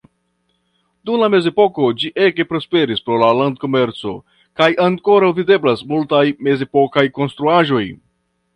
Dum la mezepoko ĝi ege prosperis pro lan-komerco, kaj ankoraŭ videblas multaj mezepokaj konstruaĵoj.